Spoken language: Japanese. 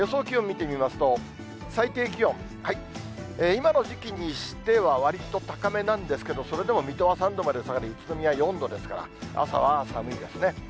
気温を見てみますと、最低気温、今の時期にしてはわりと高めなんですけど、それでも水戸は３度まで下がり、宇都宮４度ですから、朝は寒いですね。